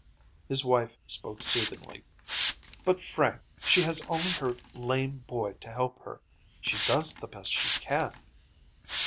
His wife spoke soothingly. "But, Frank, she has only her lame boy to help her. She does the best she can."